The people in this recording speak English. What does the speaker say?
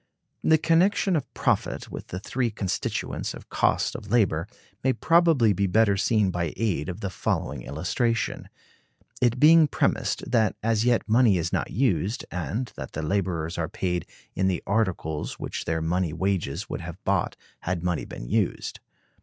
The connection of profit with the three constituents of cost of labor may probably be better seen by aid of the following illustration; it being premised that as yet money is not used, and that the laborers are paid in the articles which their money wages would have bought had money been used.